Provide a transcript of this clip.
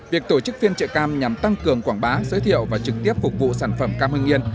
việc tổ chức phiên trợ cam nhằm tăng cường quảng bá giới thiệu và trực tiếp phục vụ sản phẩm cam hưng yên